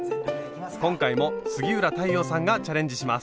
今回も杉浦太陽さんがチャレンジします。